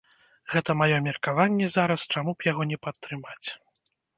Гэта маё меркаванне зараз, чаму б яго не падтрымаць.